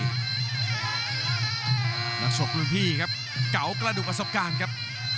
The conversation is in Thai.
นักศพกลุ่มพี่ครับเก๋ากระดุมอศกาลครับ